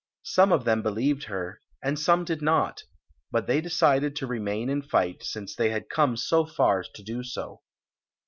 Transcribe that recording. Some of them believed her, and some did not ; but they decided to remain and fight, since they had come so far to do so.